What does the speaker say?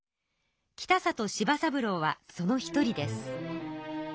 北里柴三郎はその一人です。